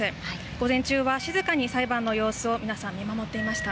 午前中は静かに裁判の様子を皆さん、見守っていました。